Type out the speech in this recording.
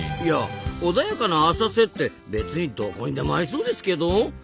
いや穏やかな浅瀬って別にどこにでもありそうですけど？